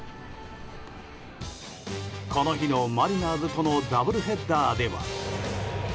この日のマリナーズとのダブルヘッダーでは。